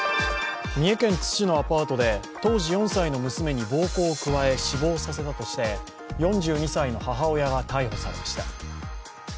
三重県津市のアパートで当時４歳の娘に暴行を加え死亡させたとして、４２歳の母親が逮捕されました。